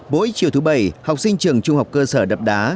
mỗi chiều thứ bảy học sinh trường trung học cơ sở đập đá